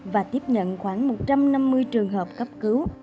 và tiếp nhận khoảng một trăm năm mươi trường hợp cấp cứu